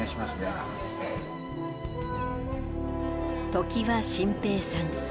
常盤新平さん。